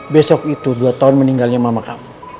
besok itu dua tahun meninggalnya mama kamu